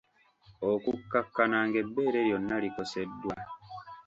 Okukkakkana ng’ebbeere lyonna likoseddwa.